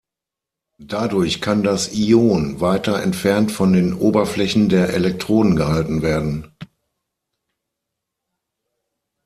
Dadurch kann das Ion weiter entfernt von den Oberflächen der Elektroden gehalten werden.